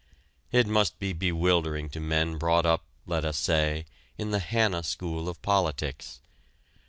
It must be bewildering to men brought up, let us say, in the Hanna school of politics.